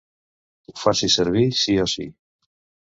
Ho faci servir sí o sí.